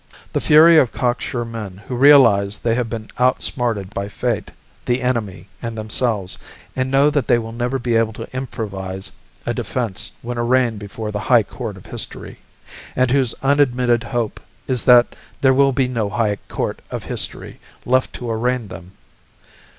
The Fury of cocksure men who realize they have been outsmarted by fate, the enemy, and themselves, and know that they will never be able to improvise a defense when arraigned before the high court of history and whose unadmitted hope is that there will be no high court of history left to arraign them.